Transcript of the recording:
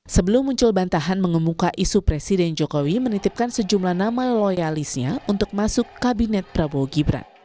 sebelum muncul bantahan mengemuka isu presiden jokowi menitipkan sejumlah nama loyalisnya untuk masuk kabinet prabowo gibran